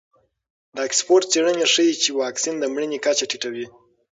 د اکسفورډ څېړنې ښیي چې واکسین د مړینې کچه ټیټوي.